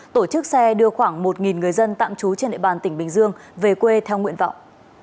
tổ chức xe đưa khoảng một người dân tạm trú trên địa bàn tỉnh bình dương về quê theo nguyện vọng